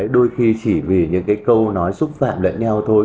đôi khi chỉ vì những cái câu nói xúc phạm lẫn nhau thôi